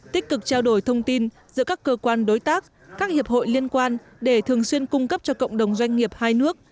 tích cực trao đổi thông tin giữa các cơ quan đối tác các hiệp hội liên quan để thường xuyên cung cấp cho cộng đồng doanh nghiệp hai nước